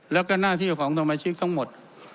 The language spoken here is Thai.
แล้วก็หน้าที่ของสมาชิกทั้งหมด